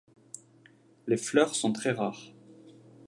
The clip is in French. Les fleurs sont très rares.